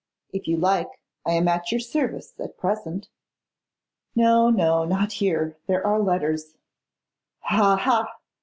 If you like, I am at your service at present.' 'No, no, not here: there are letters.' 'Ha, ha!